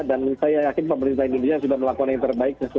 dan saya yakin pemerintah indonesia sudah melakukan yang terbaik